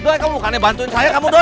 duit kamu bukannya bantuin saya kamu duit